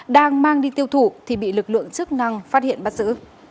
đang mang đi tiêu thụ thì bị lực lượng chức năng phát hiện bắt giữ